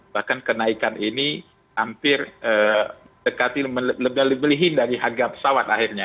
bahkan kenaikan ini hampir dekati lebih beliin dari harga pesawat akhirnya